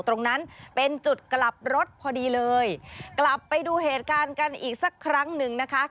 ตรงนั้นเป็นจุดกลับรถพอดีเลยกลับไปดูเหตุการณ์กันอีกสักครั้งหนึ่งนะคะ